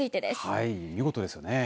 はい、見事ですよね。